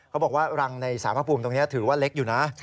บอกว่ารังในสารพระภูมิตรงนี้ถือว่าเล็กอยู่นะ